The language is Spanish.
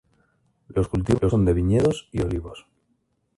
Los cultivos son de viñedos y olivos.